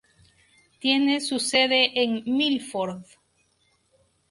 Tiene su sede en Milford.